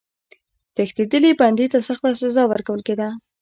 تښتېدلي بندي ته سخته سزا ورکول کېده.